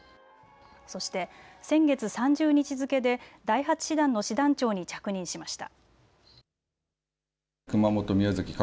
そして先月３０日付けで第８師団の師団長に着任しました。